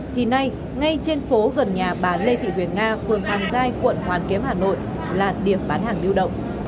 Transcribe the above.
thì nay ngay trên phố gần nhà bà lê thị huyền nga phường hàng gai quận hoàn kiếm hà nội là điểm bán hàng lưu động